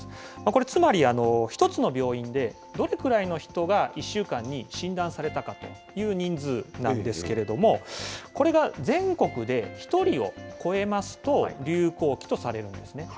これつまり、１つの病院でどれくらいの人が１週間に診断されたかという人数なんですけれども、これが全国で１人を超えますと、流行期とされるんですね。